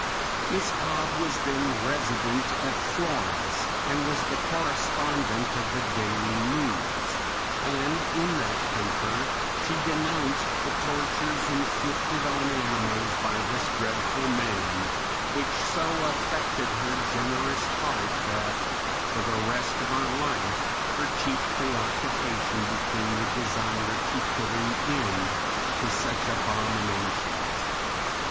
Miss Cobbe was then resident at Florence and was the correspondent of the Daily News, and in that paper she denounced the tortures inflicted on animals by this dreadful man, which so affected her generous heart that for the rest of her life her chief preoccupation became the desire to put an end to such abominations.